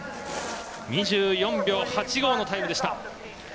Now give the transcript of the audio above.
２４秒８５のタイムでした。